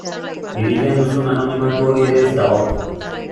Hirian duzun anonimatu hori ere ez dago.